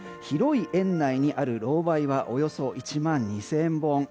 広い園内にあるロウバイはおよそ１万２０００本。